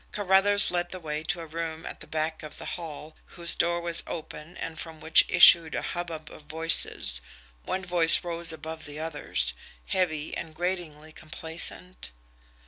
Carruthers led the way to a room at the back of the hall, whose door was open and from which issued a hubbub of voices one voice rose above the others, heavy and gratingly complacent.